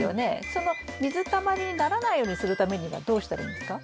その水たまりにならないようにするためにはどうしたらいいんですか？